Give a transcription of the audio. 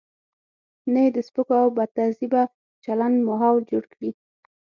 نه یې د سپکو او بدتهذیبه چلن ماحول جوړ کړي.